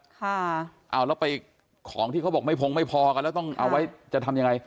ค่ะเอาแล้วไปของที่เขาบอกไม่พงไม่พอกันแล้วต้องเอาไว้จะทำยังไง